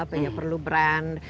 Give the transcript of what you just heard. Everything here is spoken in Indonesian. banyak perlu brand